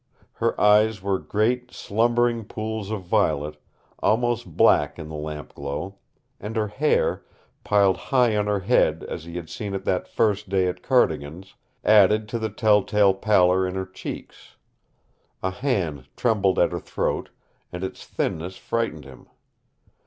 Her eyes were great, slumbering pools of violet, almost black in the lamp glow, and her hair piled high on her head as he had seen it that first day at Cardigan's added to the telltale pallor in her cheeks. A hand trembled at her throat, and its thinness frightened him.